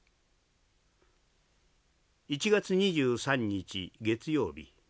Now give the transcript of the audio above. １月２３日月曜日。